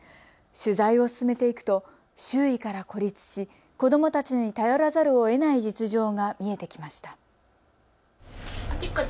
取材を進めていくと周囲から孤立し子どもたちに頼らざるをえない実情が見えてきました。